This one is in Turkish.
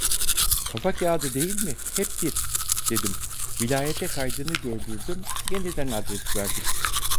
Kafakağıdı değil mi, hep bir, dedim, vilayete kaydını gördürdüm, yeniden adres verdim.